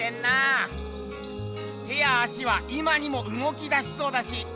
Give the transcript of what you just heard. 手や足は今にもうごきだしそうだし。